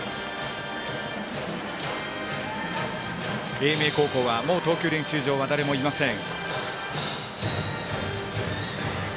英明高校はもう投球練習場は誰もいません。